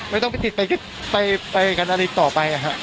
ไม่ต้องไปติดไปก็ไปกันอะไรต่อไป